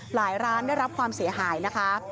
ร้านได้รับความเสียหายนะคะ